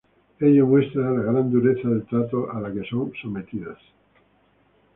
Ello muestra la gran dureza del trato a la que son sometidas.